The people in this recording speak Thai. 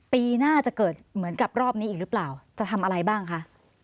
ปีหน้าจะเกิดเหมือนกับรอบนี้อีกหรือเปล่าจะทำอะไรบ้างคะ